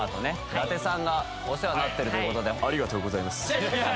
舘さんがお世話になってるということでありがとうございます